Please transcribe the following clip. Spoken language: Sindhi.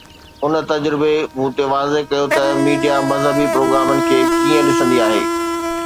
ان تجربي مون تي واضح ڪيو ته ميڊيا مذهبي پروگرامن کي ڪيئن ڏسندي آهي.